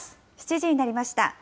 ７時になりました。